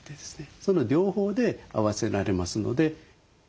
その両方で合わせられますので。